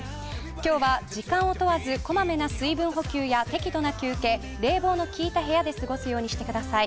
今日は、時間を問わず小まめな水分補給や適度な休憩、冷房の効いた部屋で過ごすようにしてください。